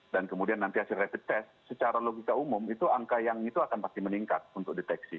dan kemudian nanti hasil rapid test secara logika umum itu angka yang itu akan pasti meningkat untuk deteksi